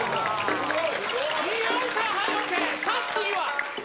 すごい。